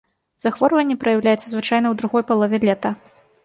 Захворванне праяўляецца звычайна ў другой палове лета.